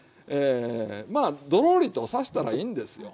まあドロリとさしたらいいんですよ。